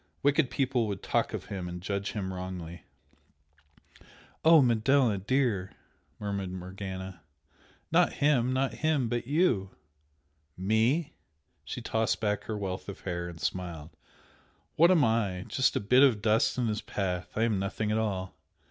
wicked people would talk of him and judge him wrongly " "Oh, Manella, dear!" murmured Morgana "Not him not him but YOU!" "Me?" She tossed back her wealth of hair, and smiled "What am I? Just a bit of dust in his path! I am nothing at all!